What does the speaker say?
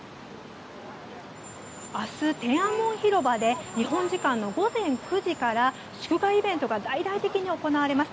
明日、天安門広場で日本時間の午前９時から祝賀イベントが大々的に行われます。